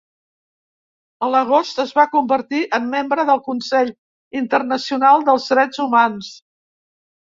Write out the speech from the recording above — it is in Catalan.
A l'agost es va convertir en membre del Consell Internacional dels Drets Humans.